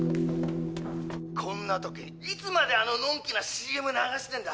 こんな時にいつまであののんきなＣＭ流してんだ